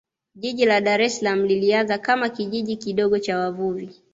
Jiji la Dar es Salaam lilianza kama Kijiji kidogo cha wavuvi